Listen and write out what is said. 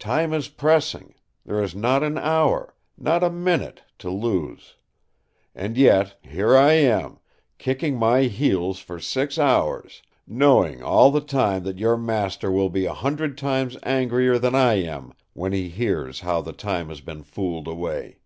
Time is pressing. There is not an hour—not a minute—to lose! And yet here I am, kicking my heels for six hours; knowing all the time that your master will be a hundred times angrier than I am, when he hears how the time has been fooled away.